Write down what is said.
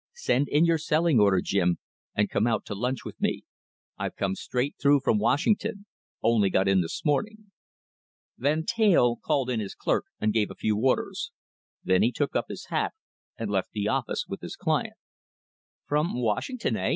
Send in your selling order, Jim, and come out to lunch with me. I've come straight through from Washington only got in this morning." Van Teyl called in his clerk and gave a few orders. Then he took up his hat and left the office with his client. "From Washington, eh?"